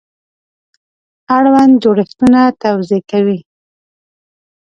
اړوند جوړښتونه توضیح کوي.